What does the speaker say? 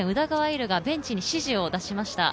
琉がベンチに指示を出しました。